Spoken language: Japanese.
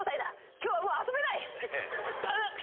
今日はもう遊べない！